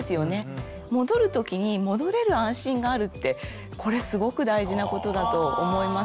戻る時に戻れる安心があるってこれすごく大事なことだと思います。